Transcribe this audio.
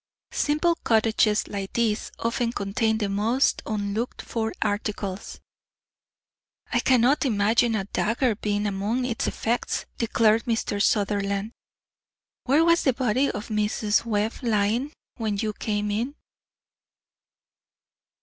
Simple cottages like these often contain the most unlooked for articles." "I cannot imagine a dagger being among its effects," declared Mr. Sutherland. "Where was the body of Mrs. Webb lying when you came in?"